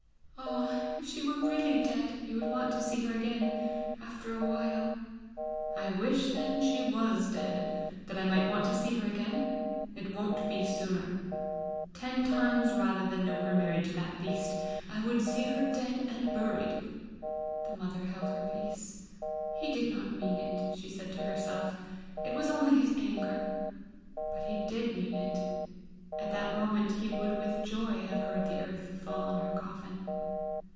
"Ah, if she were really dead, you would want to see her again after a while!" "I wish then she was dead, that I might want to see her again! It won't be sooner! Ten times rather than know her married to that beast, I would see her dead and buried!" The mother held her peace. He did not mean it, she said to herself. It was only his anger! But he did mean it; at that moment he would with joy have heard the earth fall on her coffin.